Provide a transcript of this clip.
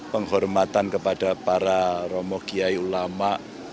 penghormatan kepada para romogiai ulama